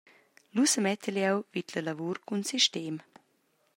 Lu semettel jeu vid la lavur cun sistem.